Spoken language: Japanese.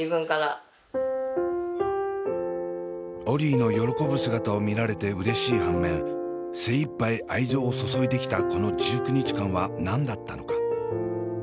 オリィの喜ぶ姿を見られてうれしい反面精いっぱい愛情を注いできたこの１９日間は何だったのか。